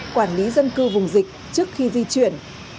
quản lý dân cư vùng dịch trước khi di chuyển